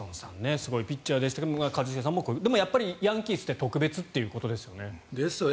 すごいピッチャーでしたがやっぱりヤンキースって特別ということですよね。